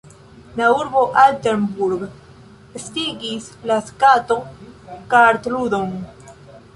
La urbo Altenburg estigis la skato-kartludon.